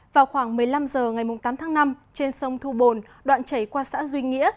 vào khoảng một mươi năm h ngày tám tháng năm trên sông thu bồn đoạn chảy qua xã duy nghĩa